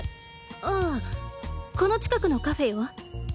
ああこの近くのカフェよ。